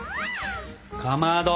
かまど！